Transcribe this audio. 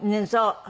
そう。